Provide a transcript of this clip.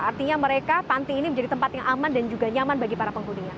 artinya mereka panti ini menjadi tempat yang aman dan juga nyaman bagi para penghuninya